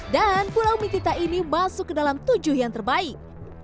dan pulau mitita ini masuk ke dalam tujuh yang terbaik